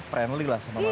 friendly lah sama manusia